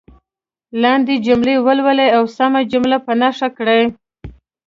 لاندې جملې ولولئ او سمه جمله په نښه کړئ.